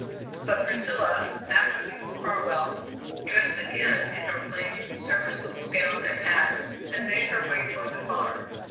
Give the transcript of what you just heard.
But Priscilla, after leaving Farwell, dressed again in her plain serviceable gown and hat, had made her way toward the farm.